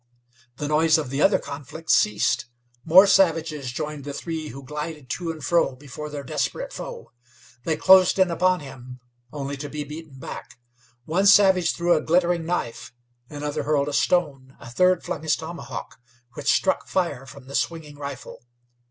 The noise of the other conflict ceased. More savages joined the three who glided to and fro before their desperate foe. They closed in upon him, only to be beaten back. One savage threw a glittering knife, another hurled a stone, a third flung his tomahawk, which struck fire from the swinging rifle.